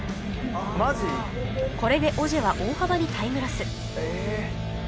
これでオジェは大幅にタイムロス